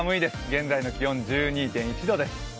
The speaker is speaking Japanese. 現在の気温１２．１度です。